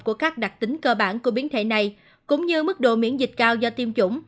của các đặc tính cơ bản của biến thể này cũng như mức độ miễn dịch cao do tiêm chủng